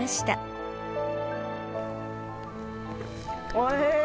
おいしい！